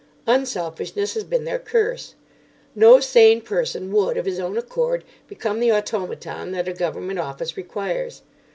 Unselfishness has been their curse. No sane person would, of his own accord, become the automaton that a Government office requires.